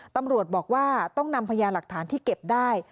ตำรวจบอกว่าต้องนำพญาหลักฐานที่เก็บได้